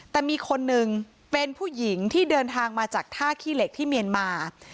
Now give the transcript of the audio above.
แต่มีคนนึงเป็นผู้หญิงที่เดินทางมาจากท่าขี้เหล็กที่เมียนมา